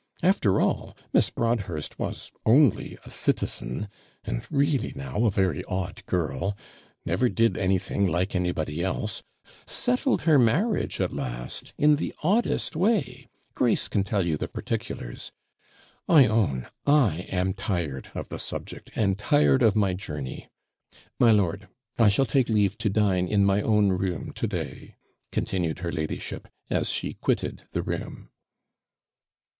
After all, Miss Broadhurst was only a citizen and REELLY now, a very odd girl; never did anything like anybody else; settled her marriage at last in the oddest way. Grace, can you tell the particulars? I own, I am tired of the subject, and tired of my journey. My lord, I shall take leave to dine in my own room to day,' continued her ladyship, as she quitted the room.